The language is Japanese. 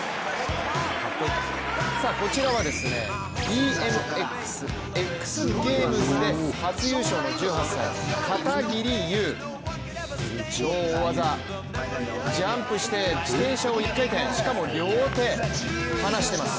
こちらはＢＭＸ、ＸＧａｍｅｓで初優勝の１８歳、片桐悠の超大技、ジャンプして自転車を１回転、しかも両手離しています。